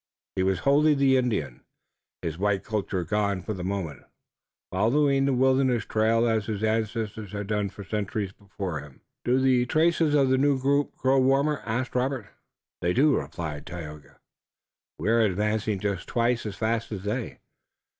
He was wholly the Indian, his white culture gone for the moment, following the wilderness trail as his ancestors had done for centuries before him. "Do the traces of the new group grow warmer?" asked Robert. "They do," replied Tayoga. "We are advancing just twice as fast as they.